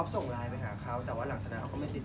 ส่งไลน์ไปหาเขาแต่ว่าหลังจากนั้นเขาก็ไม่ติด